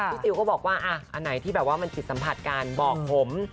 ซิลก็บอกว่าอันไหนที่แบบว่ามันผิดสัมผัสกันบอกผม